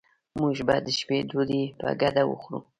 موږ به د شپې ډوډي په ګډه وخورو